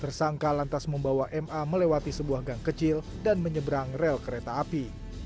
tersangka lantas membawa ma melewati sebuah gang kecil dan menyeberang rel kereta api